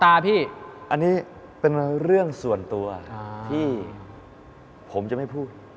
อันนี้เป็นเรื่องส่วนตัวที่ผมจะไม่พูด